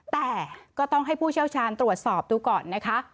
แต่ก็ต้องให้ผู้เชี่ยวชาญตรวจสอบดูก่อนนะคะ